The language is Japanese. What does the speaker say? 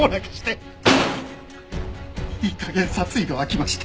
いいかげん殺意が湧きました。